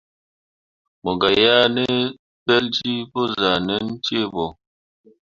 Mo gah yeah ne peljii pə zahʼnan cee ahe.